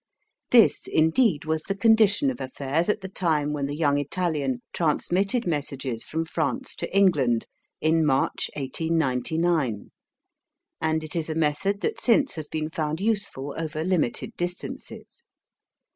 This indeed was the condition of affairs at the time when the young Italian transmitted messages from France to England in March, 1899, and it is a method that since has been found useful over limited distances.